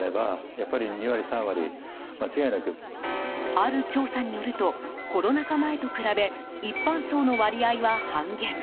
ある調査によるとコロナ禍前と比べ一般葬の割合は半減。